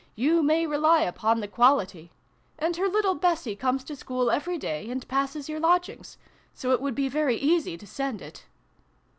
You may rely upon the quality. And her little Bessie comes to school every day, and passes your lodgings. So it would be very easy to send it."